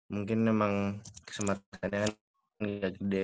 mungkin emang kesempatannya kan gak gede